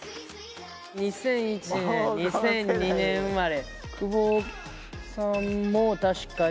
２００１年２００２年生まれ。